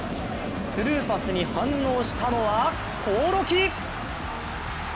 スルーパスに反応したのは興梠。